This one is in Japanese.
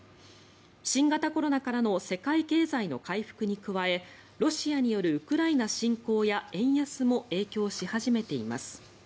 新型コロナからの世界経済の回復に加えロシアによるウクライナ侵攻や円安も影響し始めています。